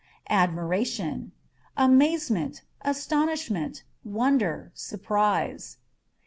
Admiration â€" amazement, astonishment, wonder, surprise.